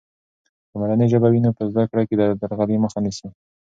که مورنۍ ژبه وي، نو په زده کړه کې د درغلي مخه نیسي.